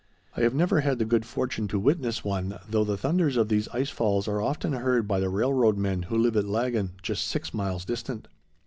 I have never had the good fortune to witness one, though the thunders of these ice falls are often heard by the railroad men who live at Laggan, just six miles distant.